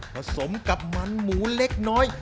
สมกับมันหมูเล็กน้อย